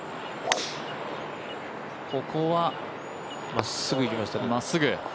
ここはまっすぐ。